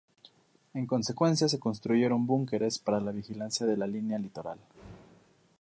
En consecuencia, se construyeron búnkeres para la vigilancia de la línea litoral.